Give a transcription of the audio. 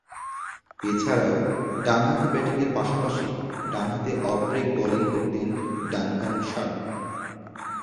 এছাড়াও, ডানহাতে ব্যাটিংয়ের পাশাপাশি ডানহাতে অফ ব্রেক বোলিং করতেন ডানকান শার্প।